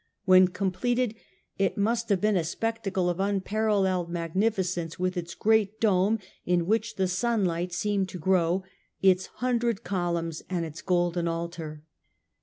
When completed, it must have been a spectacle of unparalleled magnificence, with its great dome " in which the sun ij^ht seemed to grow," its hundred columns and its golden altar.